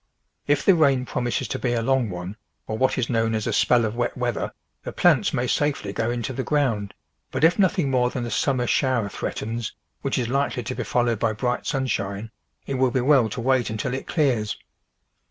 If the rain promises to be a long one, or what is known as a spell of wet weather, the plants may safely go into the ground, but if nothing more than a summer shower threatens, which is likely to be followed by bright sunshine, it will be well to wait until it clears.